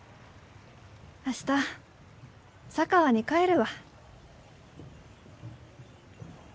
明日佐川に帰るわ。